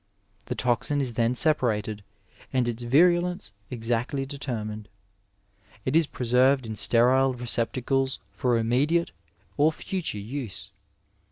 The toxin is then separated and its virulence exactly determined. It is preserved in sterile receptacles for immediate or future use.